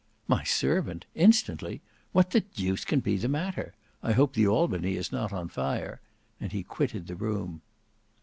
"My servant! Instantly! What the deuce can be the matter? I hope the Albany is not on fire," and he quitted the room.